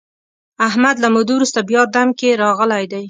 احمد له مودو ورسته بیا دم کې راغلی دی.